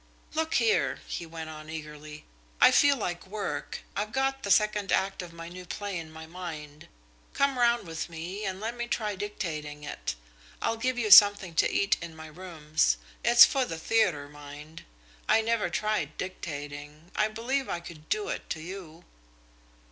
"Look here," he went on eagerly, "I feel like work. I've got the second act of my new play in my mind. Come round with me and let me try dictating it. I'll give you something to eat in my rooms. It's for the theatre, mind. I never tried dictating. I believe I could do it to you."